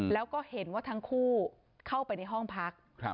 แล้วก็เห็นว่าทั้งคู่เข้าไปในห้องพัก